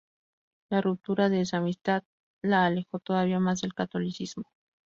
La ruptura de esa amistad la alejó todavía más del catolicismo.